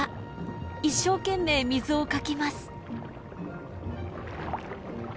一生懸命水をかきます。